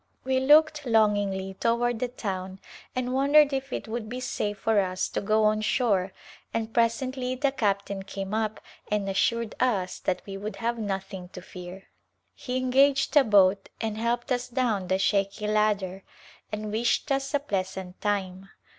We looked longingly toward the town and wondered if it would be safe for us to go on shore and presently the captain came up and assured us that we would have nothing to fear. He engaged a boat and helped us down the shaky ladder and wished us a pleasant time.